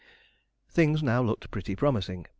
Things now looked pretty promising.